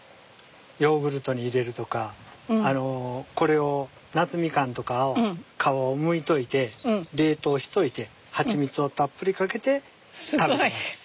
ヨーグルトに入れるとかあのこれを夏ミカンとかを皮をむいといて冷凍しといてハチミツをたっぷりかけて食べてます。